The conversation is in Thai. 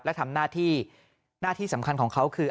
และทำหน้าที่หน้าที่สำคัญของเขาคือ